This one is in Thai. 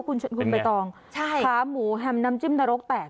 กินลองคะหมูแฮมนำจิ้มนรกแตก